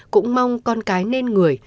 cũng mong con cái nên người